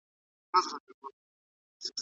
توشکه بې پنبې نه جوړیږي.